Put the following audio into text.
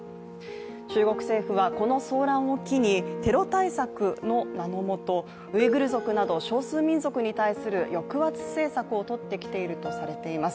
中国政府はこの騒乱を機にテロ対策の名のもと、ウイグル族など少数民族に対する抑圧政策をとってきているとされています。